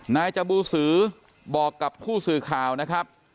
นายจบูสือบอกกับผู้สื่อข่าวนะครับ